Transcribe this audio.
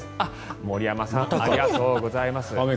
森山さんありがとうございます。